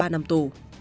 ba năm tù